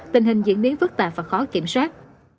tình hình diễn biến phức tạp và khó kiểm soát